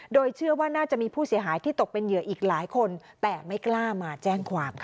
โดยเชื่อว่าน่าจะมีผู้เสียหายที่ตกเป็นเหยื่ออีกหลายคนแต่ไม่กล้ามาแจ้งความค่ะ